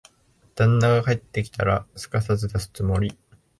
旦那が帰ってきたら、すかさず出すつもり。